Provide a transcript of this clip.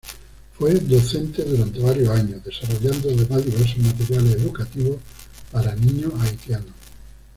Fue docente durante varios años, desarrollando además diversos materiales educativos para niños haitianos.